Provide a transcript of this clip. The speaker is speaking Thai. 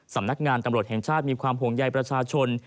สำนักงานตำรวจแห่งชาติมีความห่วงใยประชาชน